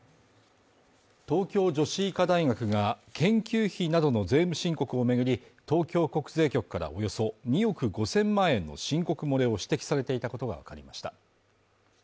東京女子医科大学が研究費などの税務申告を巡り、東京国税局からおよそ２億５０００万円の申告漏れを指摘されていたことがわかりました。